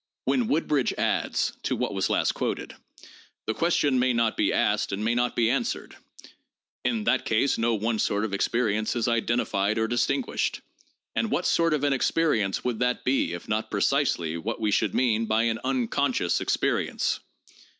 When Woodbridge adds (to what was last quoted) : "The ques tion may not be asked and may not be answered. In that case no one sort of experience is identified or distinguished. And what sort of an experience would that be if not precisely what we should mean by an unconscious experience?"